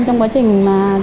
trong quá trình giao dịch